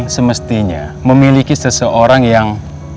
semestinya memiliki seseorang yang